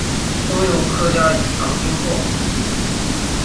通用客家语长汀话。